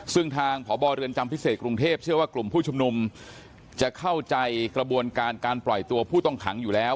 ซึ่งทางพบเรือนจำพิเศษกรุงเทพเชื่อว่ากลุ่มผู้ชุมนุมจะเข้าใจกระบวนการการปล่อยตัวผู้ต้องขังอยู่แล้ว